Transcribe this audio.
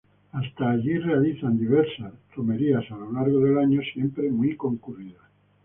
Hasta allí realizan diversas romerías a lo largo del año, siempre muy concurridas.